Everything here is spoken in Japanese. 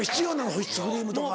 保湿クリームとか。